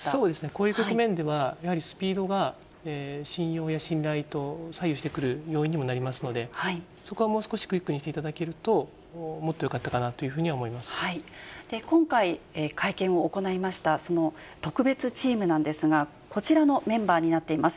こういう局面では、やはりスピードが信用や信頼等を左右してくる要因にもなりますので、そこはもう少しクイックにしていただけると、もっとよかった今回、会見を行いましたその特別チームなんですが、こちらのメンバーになっています。